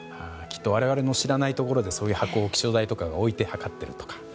きっと我々の知らないところでそういう箱を気象台とかが置いて計っているとか。